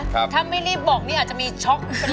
ถ้าไม่รีบบอกนี่อาจจะมีช็อก